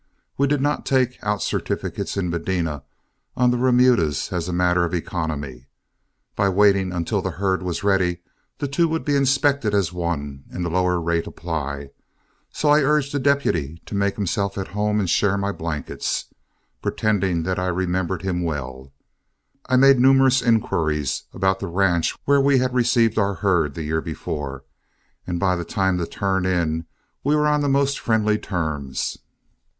We did not take out certificates in Medina on the remudas as a matter of economy. By waiting until the herd was ready, the two would be inspected as one, and the lower rate apply. So I urged the deputy to make himself at home and share my blankets. Pretending that I remembered him well, I made numerous inquiries about the ranch where we received our herd the year before, and by the time to turn in, we were on the most friendly terms.